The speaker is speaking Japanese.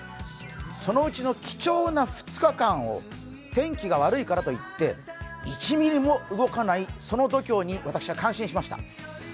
そのうちの貴重な２日間を天気が悪いからといって１ｍｍも動かない、その度胸に私は感心いたしました。